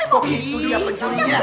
poki tuh dia pencurinya